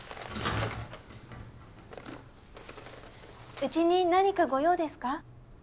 うちに何か御用ですか？